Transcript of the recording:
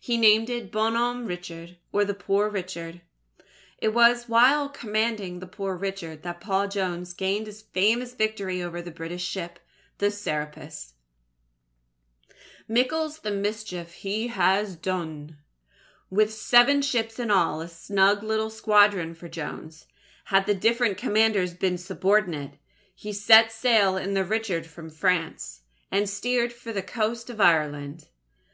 He named it Bon Homme Richard, or The Poor Richard. It was while commanding The Poor Richard, that Paul Jones gained his famous victory over the British ship, the Serapis. MICKLE'S THE MISCHIEF HE HAS DUNE With seven ships in all a snug little squadron for Jones, had the different commanders been subordinate he set sail in the Richard from France, and steered for the coast of Ireland.